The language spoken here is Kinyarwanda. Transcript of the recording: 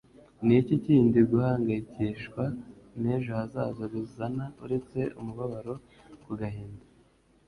Ni iki kindi guhangayikishwa n'ejo hazaza bizana uretse umubabaro ku gahinda?”